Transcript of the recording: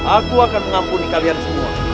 aku akan mengampuni kalian semua